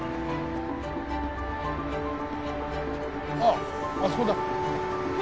あっあそこだ。